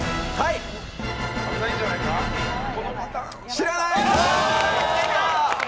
知らない！